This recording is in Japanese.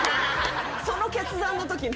その決断の時に？